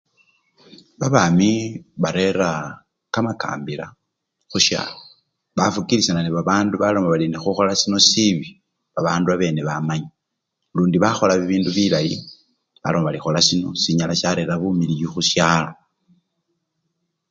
Babami barera kamakambila khusyalo bafukilishana nebabandu baloma bari nekhukhola sino sibii babandu babene bamanya lundi bakhola bibindu bilayi baloma bali khola sino sinyala syarera bumiliyu khusyalo.